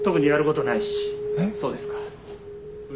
えっ⁉そうですか。